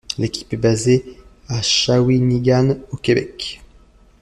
L'équipe est basée à Shawinigan, au Québec.